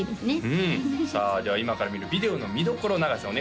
うんさあでは今から見るビデオの見どころ永井さん